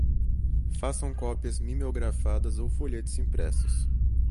façam cópias mimeografadas ou folhetos impressos